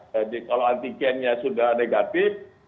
jadi kalau antigennya sudah negatif